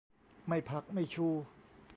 ไม่ผัก ไม่ชู